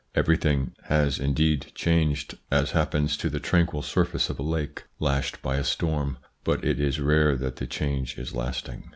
Everything has indeed changed, as happens to the tranquil surface of a lake lashed by a storm ; but it is rare that the change is lasting.